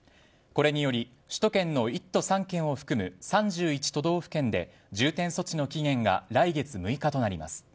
これにより首都圏の１都３県を含む３１都道府県で重点措置の期限が来月６日となります。